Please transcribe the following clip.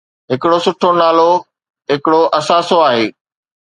ھڪڙو سٺو نالو ھڪڙو اثاثو آھي.